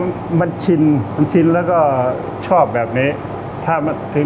สวัสดีครับผมชื่อสามารถชานุบาลชื่อเล่นว่าขิงถ่ายหนังสุ่นแห่ง